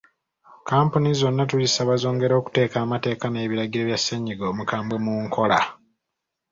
Kkampuni zonna tuzisaba zongere okuteeka amateeka n’ebiragiro bya ssennyiga omukambwe mu nkola.